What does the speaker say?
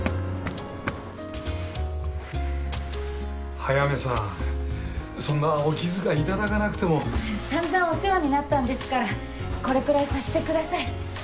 早梅さんそんなお気遣いいただかなくてもさんざんお世話になったんですからこれくらいさせてください